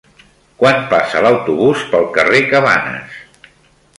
Quan passa l'autobús pel carrer Cabanes?